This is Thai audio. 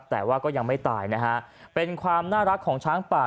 แต่ว่าก็ยังไม่ตายนะฮะเป็นความน่ารักของช้างป่า